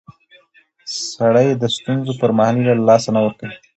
سړی د ستونزو پر مهال هیله له لاسه نه ورکوي